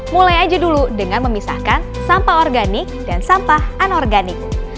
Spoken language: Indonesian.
mulai aja dulu dengan memisahkan sampah organik dan sampah anorganik